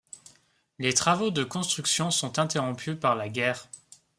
Les travaux de construction sont interrompus par la guerre.